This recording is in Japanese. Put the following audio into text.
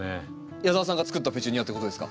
矢澤さんが作ったペチュニアっていうことですか？